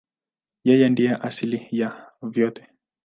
Yeye ndiye asili ya yote.